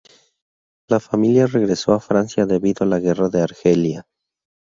La familia regresó a Francia debido a la Guerra de Argelia.